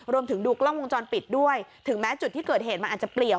ดูกล้องวงจรปิดด้วยถึงแม้จุดที่เกิดเหตุมันอาจจะเปลี่ยว